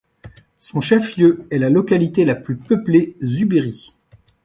Son chef-lieu est la localité la plus peuplée Zubiri.